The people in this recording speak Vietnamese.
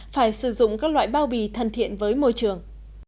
phải sử dụng các loại bao bì thân thiện với môi trường